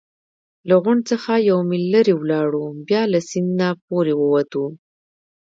له غونډ څخه یو میل لرې ولاړو، بیا له سیند نه پورې ووتو.